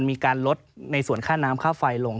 มีการลดในส่วนค่าน้ำค่าไฟลง